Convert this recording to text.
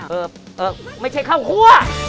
เอ่อเอ่อไม่ใช่ข้าวคั่ว